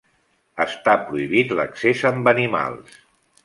Està prohibit l'accés amb animals.